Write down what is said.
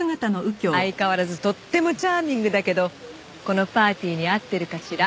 相変わらずとってもチャーミングだけどこのパーティーに合ってるかしら？